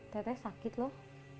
teteh sakit loh